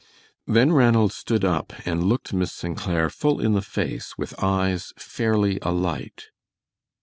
Then Ranald stood up and looked Miss St. Clair full in the face with eyes fairly alight.